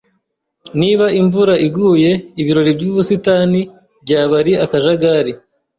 Niba imvura iguye, ibirori byubusitani byaba ari akajagari.